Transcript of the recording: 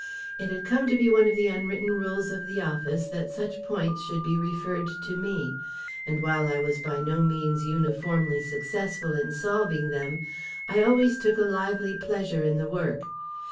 It had come to be one of the unwritten rules of the office that such points should be referred to me, and while I was by no means uniformly successful in solving them, I always took a lively pleasure in the work.